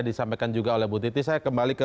disampaikan juga oleh bu titi saya kembali ke